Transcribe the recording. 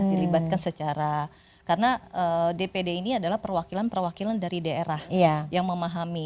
dilibatkan secara karena dpd ini adalah perwakilan perwakilan dari daerah yang memahami